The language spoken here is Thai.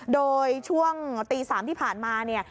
โดยช่วงตี๓ที่ผ่านมาเนี่ย